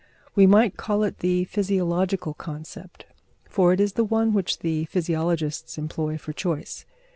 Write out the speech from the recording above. We might call it the physiological concept, for it is the one which the physiologists employ for choice.